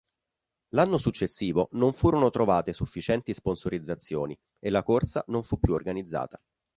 L'anno successivo non furono trovate sufficienti sponsorizzazioni e la corsa non fu più organizzata.